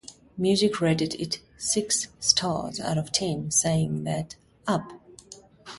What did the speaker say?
Music rated it six-stars out of ten, saying that: 'Up!